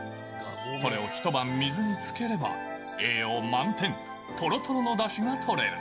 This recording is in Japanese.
それを一晩水につければ、栄養満点、とろとろのだしが取れる。